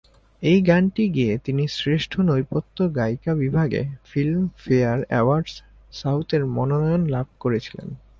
এই গানটি গেয়ে তিনি শ্রেষ্ঠ নেপথ্য গায়িকা বিভাগে ফিল্মফেয়ার অ্যাওয়ার্ডস সাউথের মনোনয়ন লাভ করেছিলেন।